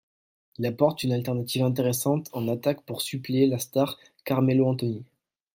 Il apporte une alternative intéressante en attaque pour suppléer la star Carmelo Anthony.